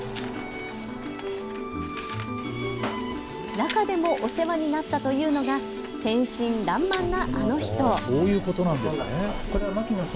中でもお世話になったというのが天真らんまんなあの人。